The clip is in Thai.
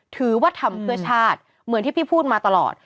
ถือว่าทำเพื่อชาติเหมือนที่พี่พูดมาตลอด